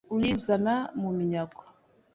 Uyizana mu minyago